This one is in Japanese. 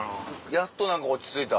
やっと何か落ち着いた。